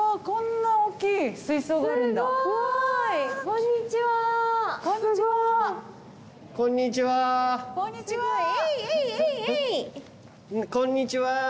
こんにちは。